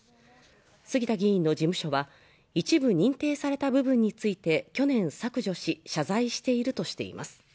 杉田議員の事務所は一部認定された部分について去年削除し謝罪しているとしています